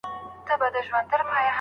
خاوند د ميرمني د خوښۍ لپاره څه کولای سي؟